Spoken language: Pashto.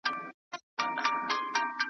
د مولوي د خندا کړس نه اورم .